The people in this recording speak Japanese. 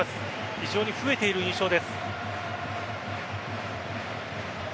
非常に増えている印象です。